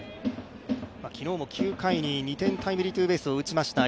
昨日も９回に２点タイムリーツーベースを打ちました。